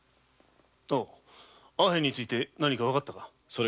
アヘンについて何かわかったか。